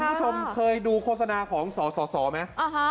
คุณผู้ชมเคยดูโฆษณาของสสไหม